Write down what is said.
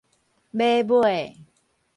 馬尾